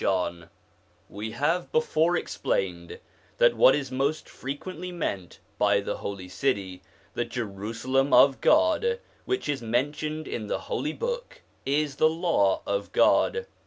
JOHN WE have before explained that what is most frequently meant by the Holy City, the Jerusalem of God, which is mentioned in the Holy Book, is the Law of God.